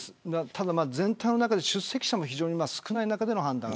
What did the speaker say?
ただ、全体の中で出席者も非常に少ない中での判断。